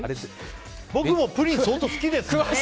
僕もプリン、相当好きです。